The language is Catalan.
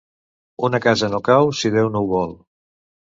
Una casa no cau si Déu no ho vol.